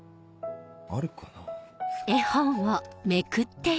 あるかな？